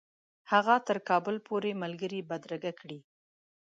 هغه تر کابل پوري بدرګه ملګرې کړي.